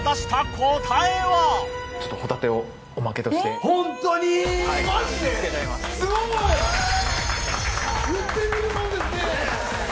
言ってみるもんですね！